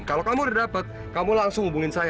kalau kamu udah dapet kamu langsung hubungin saya